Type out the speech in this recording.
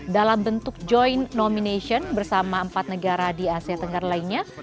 dalam bentuk joint nomination bersama empat negara di asia tenggara lainnya